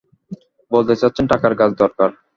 বলতে চাচ্ছেন টাকার গাছ দরকার।